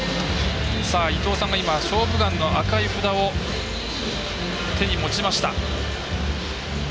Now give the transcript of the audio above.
伊東さんが、「勝負眼」の赤い札を手に持ちました。